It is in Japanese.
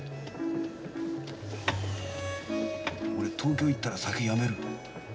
俺東京へ行ったら酒やめる。